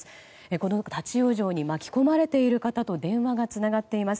この立ち往生に巻き込まれている方と電話がつながっています。